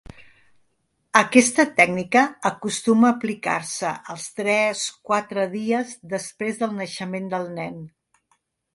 Aquesta tècnica acostuma a aplicar-se als tres, quatre dies després del naixement del nen.